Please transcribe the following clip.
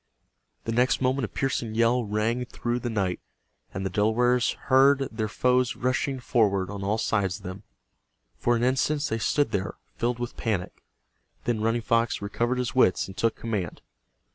The next moment a piercing yell rang through the night, and the Delawares heard their foes rushing forward on all sides of them. For an instant they stood there, filled with panic. Then Running Fox recovered his wits, and took command.